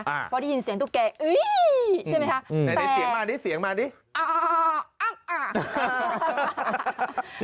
เพราะได้ยินเสียงตุ๊กแกอุ๊ยใช่ไหมครับ